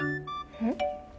うん？